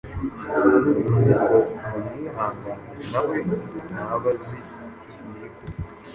Nuko mumwihanganire nawe ntaba azi ibiri kuba.